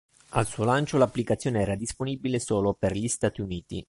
Al suo lancio, l'applicazione era disponibile solo per gli Stati Uniti.